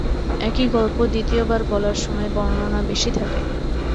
একই গল্প দ্বিতীয় বার বলার সময় বর্ণনা বেশি থাকে।